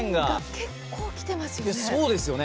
結構、きてますよね。